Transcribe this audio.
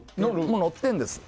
もう載ってるんです